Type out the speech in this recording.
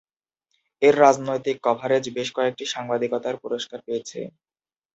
এর রাজনৈতিক কভারেজ বেশ কয়েকটি সাংবাদিকতার পুরস্কার পেয়েছে।